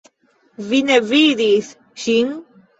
Vi ne vidis ŝin?